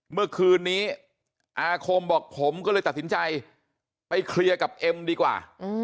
เมื่อคืนนี้อาคมบอกผมก็เลยตัดสินใจไปเคลียร์กับเอ็มดีกว่า